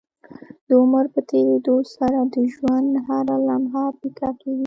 د عمر په تيريدو سره د ژوند هره لمحه پيکه کيږي